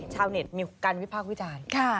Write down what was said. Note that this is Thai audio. ชาวเน็ตมีการวิพากษ์วิจารณ์